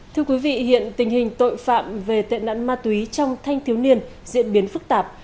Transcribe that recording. thưa quý vị hiện tình hình tội phạm về tệ nạn ma túy trong thanh thiếu niên diễn biến phức tạp